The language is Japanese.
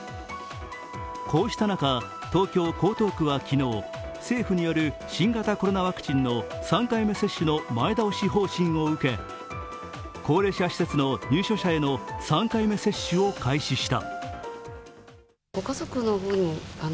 こうした中、東京・江東区は昨日、政府による新型コロナワクチンの３回目接種の前倒し方針を受け高齢者施設の入所者への３回目接種を開始した。